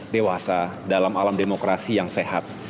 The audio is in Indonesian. dewasa dalam alam demokrasi yang sehat